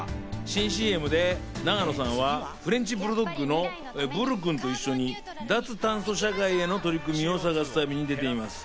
新ＣＭで永野さんはフレンチブルドッグのブルくんと一緒に脱炭素社会への取り組みを探す旅に出ています。